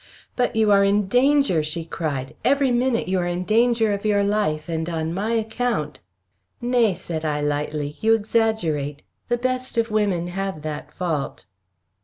"But you are in danger!" she cried. "Every minute you are in danger of your life, and on my account!" "Nay," said I lightly, "you exaggerate. The best of women have that fault."